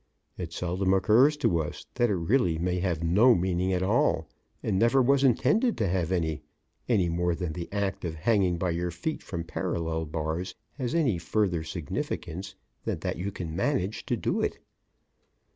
It seldom occurs to us that it really may have no meaning at all and never was intended to have any, any more than the act of hanging by your feet from parallel bars has any further significance than that you can manage to do it.